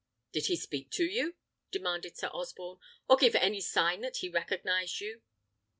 "Did he speak to you?" demanded Sir Osborne, "or give any sign that he recognised you?"